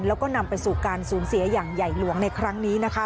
แล้วก็นำไปสู่การสูญเสียอย่างใหญ่หลวงในครั้งนี้นะคะ